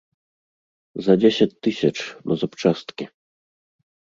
За дзесяць тысяч, на запчасткі.